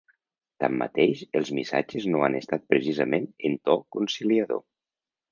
Tanmateix, els missatges no han estat precisament en to conciliador.